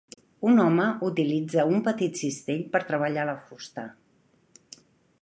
Un home utilitza un petit cisell per treballar la fusta.